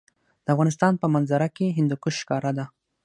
د افغانستان په منظره کې هندوکش ښکاره ده.